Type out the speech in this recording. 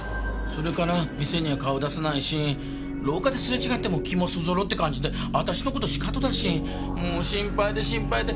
それから店には顔出さないし廊下ですれ違っても気もそぞろって感じで私の事シカトだしもう心配で心配で。